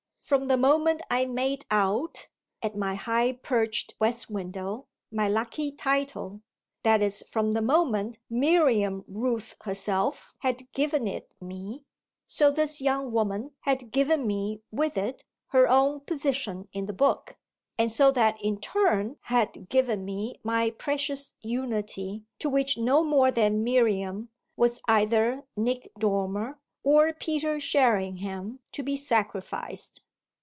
From the moment I made out, at my high perched west window, my lucky title, that is from the moment Miriam Rooth herself had given it me, so this young woman had given me with it her own position in the book, and so that in turn had given me my precious unity, to which no more than Miriam was either Nick Dormer or Peter Sherringham to be sacrificed.